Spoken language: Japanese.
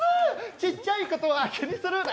ちっちゃいことは気にするな。